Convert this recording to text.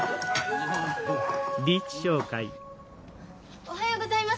おはようございます。